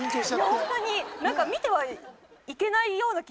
いやホントになんか見てはいけないような気もして。